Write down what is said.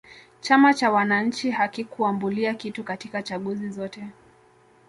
chama cha wananchi hakikuambulia kitu katika chaguzi zote